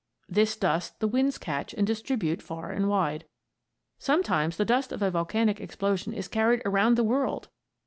This dust the winds catch and distribute far and wide. Sometimes the dust of a volcanic explosion is carried around the world.